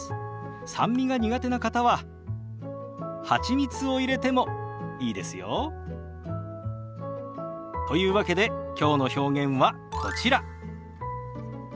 酸味が苦手な方ははちみつを入れてもいいですよ。というわけできょうの表現はこちら。